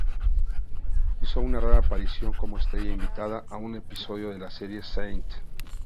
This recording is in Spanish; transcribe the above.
Hizo una rara aparición como estrella invitada en un episodio de la serie "St.